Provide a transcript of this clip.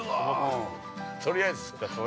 ◆とりあえず。